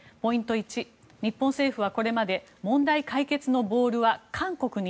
１日本政府はこれまで問題解決のボールは韓国に。